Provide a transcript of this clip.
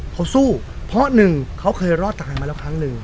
เขาสู้เพราะหนึ่งเขาเคยรอดตายมาแล้วครั้งหนึ่ง